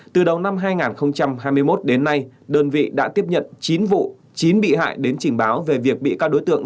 từ đầu năm hai nghìn hai mươi một đến nay đơn vị đã tiếp nhận chín vụ chín bị hại đến trình báo về việc bị các đối tượng